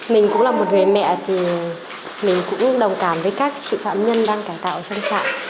mình cũng là một người mẹ thì mình cũng đồng cảm với các chị phạm nhân đang cải tạo trong trại